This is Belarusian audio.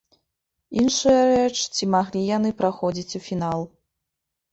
Іншая рэч, ці маглі яны праходзіць у фінал.